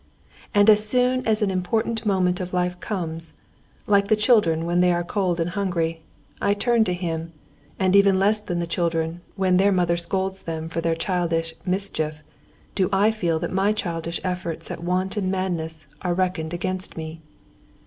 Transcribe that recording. And as soon as an important moment of life comes, like the children when they are cold and hungry, I turn to Him, and even less than the children when their mother scolds them for their childish mischief, do I feel that my childish efforts at wanton madness are reckoned against me.